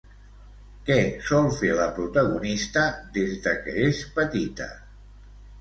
Què sol fer la protagonista des de que és petita?